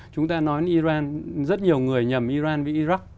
chúng ta nói iran rất nhiều người nhầm iran với iraq